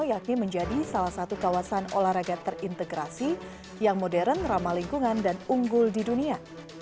yakni menjadi salah satu kawasan olahraga terintegrasi yang modern ramah lingkungan dan unggul di dunia